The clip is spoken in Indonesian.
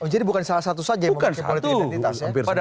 jadi bukan salah satu saja yang memiliki politik identitas ya